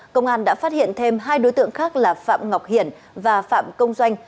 công an đã phát hiện thêm hai đối tượng khác là phạm ngọc hiển và phạm công doanh